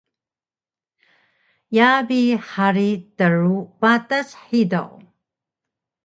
Yaa bi hari tru patas hidaw